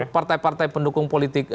partai partai pendukung politik